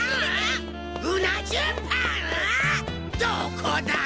どこだぁ！